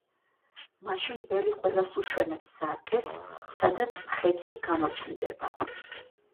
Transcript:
მაშინ ბელი ყველას უჩვენებს სარკეს, სადაც მხეცი გამოჩნდება.